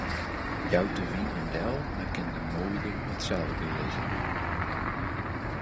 Jout de wyn him del, dan kin de moolder wat seil bylizze.